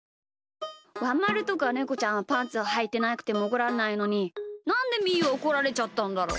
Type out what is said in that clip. ワンまるとかネコちゃんはパンツをはいてなくてもおこられないのになんでみーはおこられちゃったんだろう？